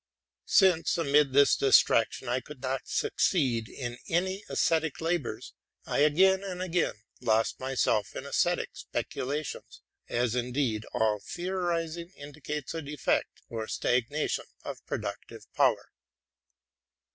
Since, amid this distraction, I could not succeed in any wsthetic labors, I again and again lost myself in sesthetic speculations ; as indeed all theorizing indicates a defect or stagnation of productive power.